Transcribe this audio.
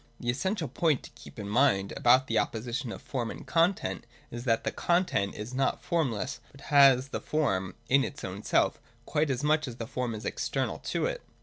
The essential point to keep in mind about the oppo sition of Form and Content is that the content is not formless, but has the form in its own self, quite as much as the form is external to it.